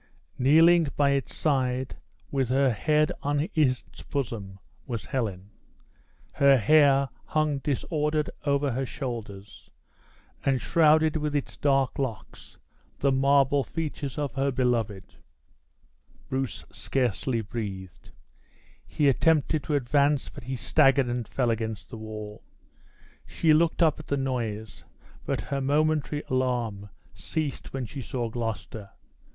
Kneeling by its side, with her head on its bosom, was Helen. Her hair hung disordered over her shoulders, and shrouded with its dark locks the marble features of her beloved. Bruce scarcely breathed. He attempted to advance, but he staggered and fell against the wall. She looked up at the noise; but her momentary alarm ceased when she saw Gloucester.